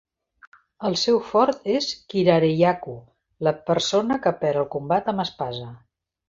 El seu fort és "kirareyaku", la persona que perd el combat amb espasa.